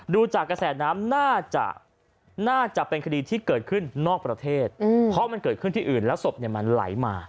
ดูจากกระแสน้ำน่าจะน่าจะเป็นคดีที่เกิดขึ้นนอกประเทศเพราะมันเกิดขึ้นที่อื่นแล้วศพมันไหลมา